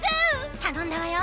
たのんだわよ。